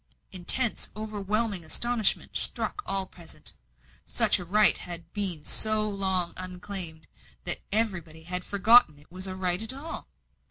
Intense, overwhelming astonishment struck all present. Such a right had been so long unclaimed, that everybody had forgotten it was a right at all.